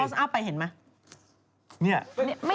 ไม่ใช่ว่าจะเจอแค่๒๘หรืออย่างนี้